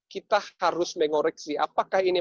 kita harus mengoreksi apakah ini